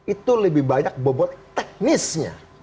itu lebih banyak bobot teknisnya